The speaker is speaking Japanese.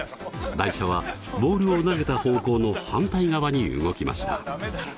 台車はボールを投げた方向の反対側に動きました。